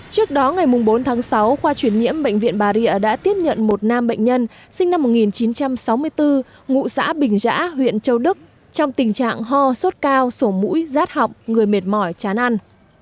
trước đó ngày bốn tháng sáu khoa chuyển nhiễm bệnh viện bà rịa đã tiếp nhận một nam bệnh nhân sinh năm một nghìn chín trăm sáu mươi bốn ngụ xã bình giã huyện châu đức trong tình trạng ho sốt cao sổ mũi rát họng người mệt mỏi chán ăn